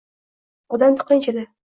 Odam tiqilinch edi